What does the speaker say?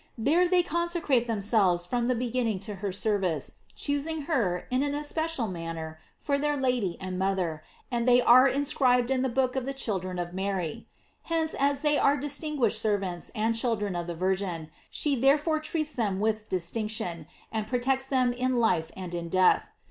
There they consecrate themselves from the beginning to her service, choosing her, in an especial manner, for their Lady and mother; and they are inscribed in the book of the children of Mary; hence as they are distinguished ser vants and children of the Virgin, she therefore treats them with distinction, and protects them in life and in death.